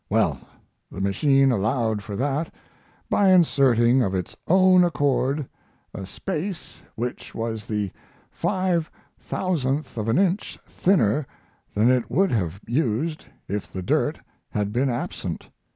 Well, the machine allowed for that by inserting of its own accord a space which was the 5 1,000 of an inch thinner than it would have used if the dirt had been absent.